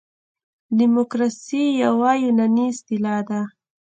دموکراسي یوه یوناني اصطلاح ده.